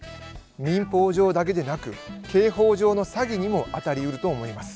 民法上だけでなく刑法上の詐欺にもあたりうると思います。